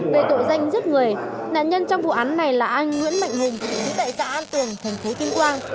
về tội danh giết người nạn nhân trong vụ án này là anh nguyễn mạnh hùng chú tại xã an tường thành phố tuyên quang